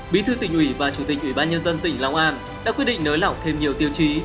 bí thư tỉnh ủy và chủ tịch ủy ban nhân dân tỉnh long an đã quyết định nới lỏng thêm nhiều tiêu chí